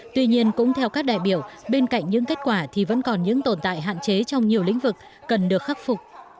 tuy nhiên cũng theo các đại biểu bên cạnh những kết quả thì vẫn còn những tồn tại hạn chế trong nhiều lĩnh vực cần được khắc phục